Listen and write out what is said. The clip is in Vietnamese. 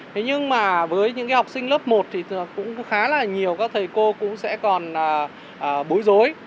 thế nhưng mà với những học sinh lớp một thì cũng khá là nhiều các thầy cô cũng sẽ còn bối rối